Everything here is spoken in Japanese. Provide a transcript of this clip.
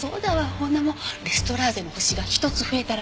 ほんなもんレストラーゼの星が１つ増えたら客も絶対増えるし